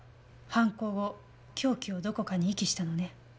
犯行後凶器をどこかに遺棄したのね。